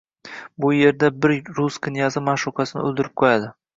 U yerda bir rus knyazi ma’shuqasini o’ldirib qo’yadi